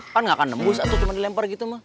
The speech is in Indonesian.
kan nggak akan nembus atau cuma dilempar gitu mah